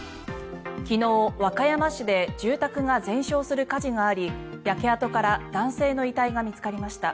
昨日、和歌山市で住宅が全焼する火事があり焼け跡から男性の遺体が見つかりました。